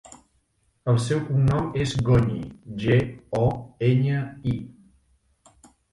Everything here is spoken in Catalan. El seu cognom és Goñi: ge, o, enya, i.